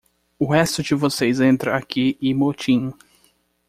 O resto de vocês entra aqui e motim!